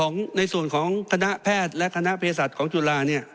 ในส่วนของคณะแพทย์และคณะเพศัตริย์ของจุฬา